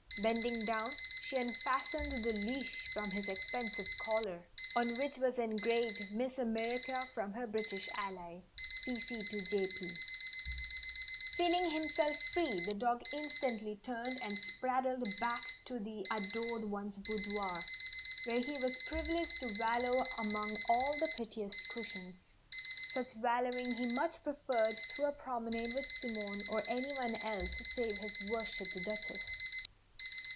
Bending down, she unfastened the leash from his expensive collar, on which was engraved: "Miss America from her British Ally. P.C. to J.P." Feeling himself free the dog instantly turned and spraddled back to the Adored One's boudoir, where he was privileged to wallow among all the prettiest cushions. Such wallowing he much preferred to a promenade with Simone or any one else save his worshipped Duchess.